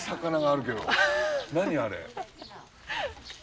何あれ？